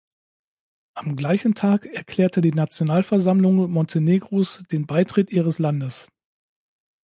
Am gleichen Tag erklärte die Nationalversammlung Montenegros den Beitritt ihres Landes.